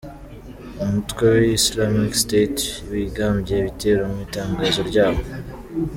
Umutwe wa Islamic State wigambye ibitero mu itangazo ryawo .